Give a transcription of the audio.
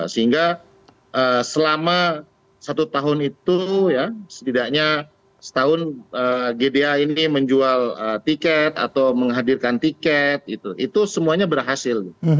sehingga selama satu tahun itu ya setidaknya setahun gda ini menjual tiket atau menghadirkan tiket itu semuanya berhasil